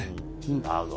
なるほど。